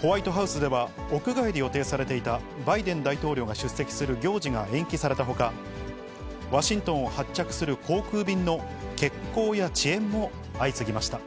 ホワイトハウスでは、屋外で予定されていたバイデン大統領が出席する行事が延期されたほか、ワシントンを発着する航空便の欠航や遅延も相次ぎました。